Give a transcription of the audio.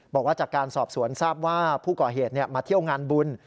บอกว่าจากการสอบสวนทราบว่าผู้ก่อเหตุมาเที่ยวงานบุญ